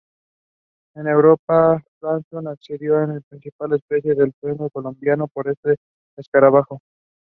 Some social commentators question the reason why the Flinders Peak Track is closed.